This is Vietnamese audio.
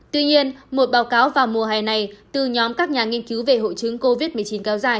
tuy nhiên một báo cáo vào mùa hè này từ nhóm các nhà nghiên cứu về hội chứng covid một mươi chín kéo dài